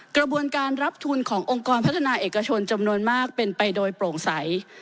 กระบวนการรับทุนขององค์กรพัฒนาเอกชนจำนวนมากเป็นไปโดยโปร่งใส